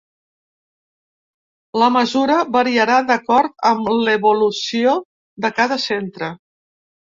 La mesura variarà d’acord amb l’evolució de cada centre.